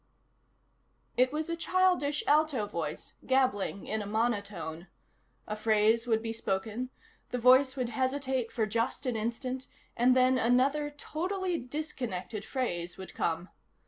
It was a childish, alto voice, gabbling in a monotone. A phrase would be spoken, the voice would hesitate for just an instant, and then another, totally disconnected phrase would come.